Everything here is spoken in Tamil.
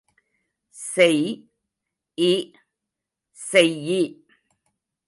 செய் இ செய்யி.